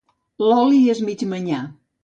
L'oli és mig manyà.